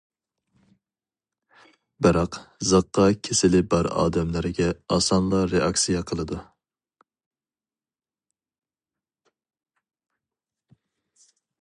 بىراق، زىققا كېسىلى بار ئادەملەرگە ئاسانلا رېئاكسىيە قىلىدۇ.